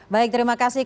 baik terima kasih